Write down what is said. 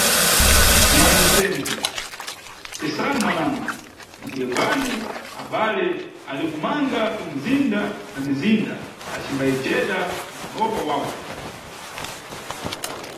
Mayi msenzi, tesani mwananu, ndipo yebwani, abale ali kumanga tumizinda na mizinda acimbayijeda na mulopa wawo.